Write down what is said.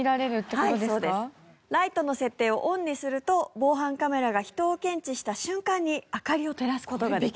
ライトの設定をオンにすると防犯カメラが人を検知した瞬間に明かりを照らす事ができる。